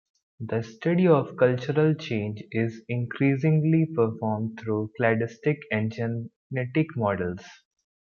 The study of cultural change is increasingly performed through cladistics and genetic models.